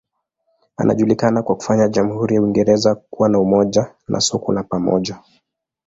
Anajulikana kwa kufanya jamhuri ya Uingereza kuwa na umoja na soko la pamoja.